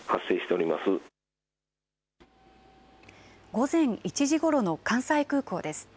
午前１時ごろの関西空港です。